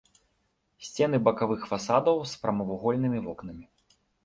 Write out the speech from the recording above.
Сцены бакавых фасадаў з прамавугольнымі вокнамі.